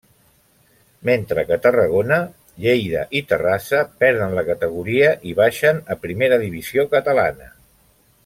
Mentre que Tarragona, Lleida i Terrassa perden la categoria i baixen a primera divisió catalana.